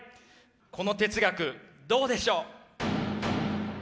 この哲学どうでしょう？